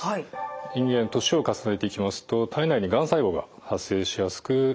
人間年を重ねていきますと体内にがん細胞が発生しやすくなります。